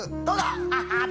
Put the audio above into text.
どうだ？